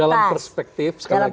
dalam perspektif sekali lagi